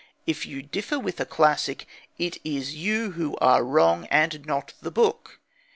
If you differ with a classic, it is you who are wrong, and not the book.